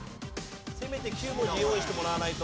せめて９文字用意してもらわないと。